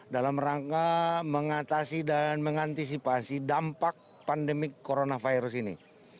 dalam rangka mengatasi dan mengantisipasi dampak pandemi coronavirus ini